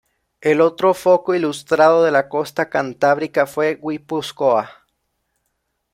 El otro foco ilustrado de la costa cantábrica fue Guipúzcoa.